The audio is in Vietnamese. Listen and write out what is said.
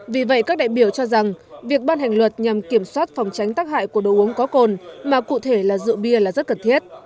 vì vậy các đại biểu cho rằng việc ban hành luật nhằm kiểm soát phòng tránh tắc hại của đồ uống có cồn mà cụ thể là rượu bia là rất cần thiết